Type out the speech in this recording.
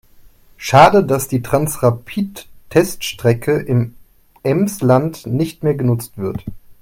Schade, dass die Transrapid-Teststrecke im Emsland nicht mehr genutzt wird.